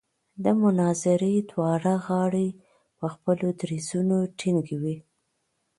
د مناظرې دواړه غاړې په خپلو دریځونو ټینګې وې.